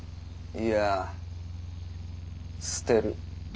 いや捨てる。